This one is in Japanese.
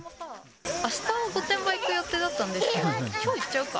あした御殿場行く予定だったんですけど、きょう行っちゃおうか。